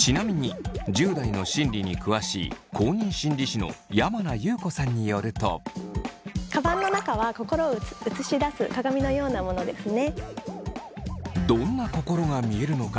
ちなみに１０代の心理に詳しい公認心理師の山名裕子さんによると。どんな心が見えるのか。